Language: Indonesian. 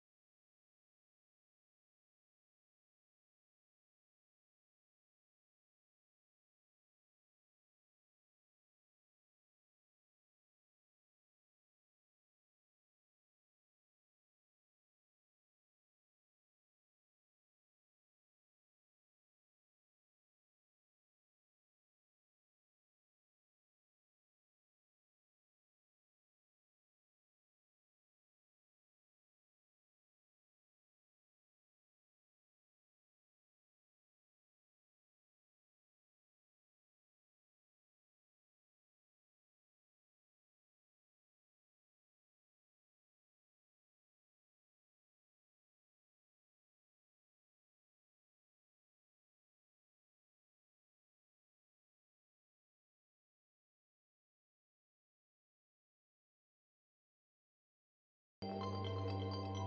terima kasih din